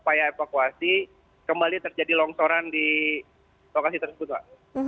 upaya evakuasi kembali terjadi longsoran di lokasi tersebut pak